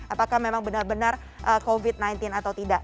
apakah memang benar benar covid sembilan belas atau tidak